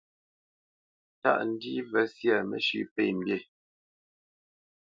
Tâʼ ndî mvə syâ mə́shʉ̄ pə̂ mbî.